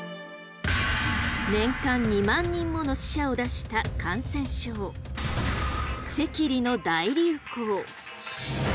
年間２万人もの死者を出した感染症赤痢の大流行。